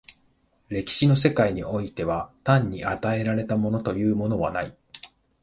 歴史の世界においては単に与えられたものというものはない。